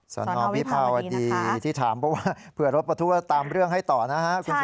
สอนอวิภาวดีที่ถามเพื่อรบประทั่วตามเรื่องให้ต่อนะครับ